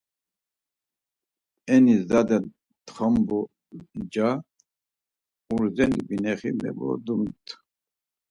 Eni zade txonbu nca urzeni binexi mevodumt.